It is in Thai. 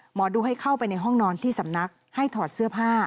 หมอดูให้เข้าไปในห้องนอนที่สำนักให้ถอดเสื้อผ้า